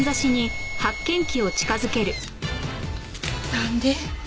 なんで？